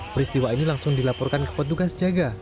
peristiwa ini langsung dilaporkan ke petugas jaga